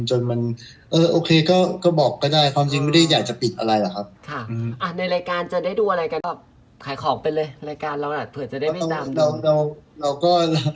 ขายของไปเลยรายการเรานะเผื่อจะได้ไม่ตาม